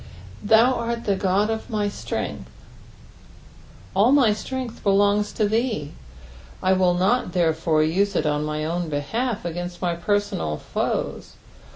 "TAou art the Ood qf my ttrengtk." All my ttrength belongs to thee— I wilV not, therefore, use it on my own behalf against my personal toes.